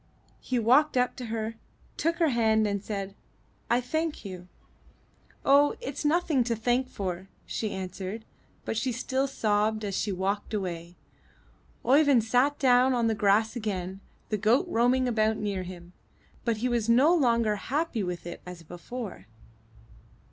*' He walked up to her, took her hand and said, "I thank you.*' 364 IN THE NURSERY "Oh, it's nothing to thank for," she answered, but she still sobbed as she walked away. Oeyvind sat down on the grass again, the goat roaming about near him, but he was no longer as happy with it as before.